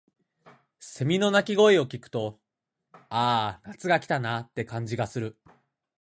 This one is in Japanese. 蝉の鳴き声を聞くと、「ああ、夏が来たな」って感じがする。